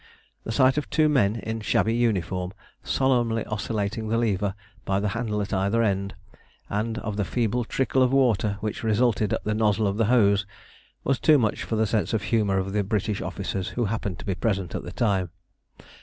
The sight of two men in shabby uniform solemnly oscillating the lever by the handle at either end, and of the feeble trickle of water which resulted at the nozzle of the hose, was too much for the sense of humour of the British officers who happened to be present at the time.